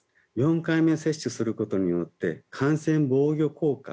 ４回目接種することによって感染防御効果